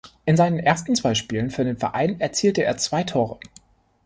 In seinen ersten zwei Spielen für den Verein erzielte er zwei Tore.